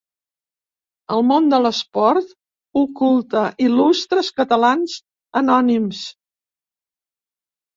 El món de l'esport oculta il·lustres catalans anònims.